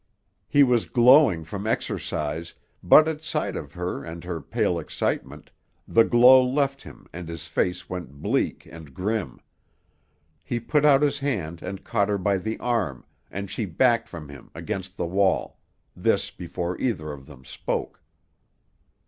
He was glowing from exercise, but at sight of her and her pale excitement, the glow left him and his face went bleak and grim. He put out his hand and caught her by the arm and she backed from him against the wall this before either of them spoke.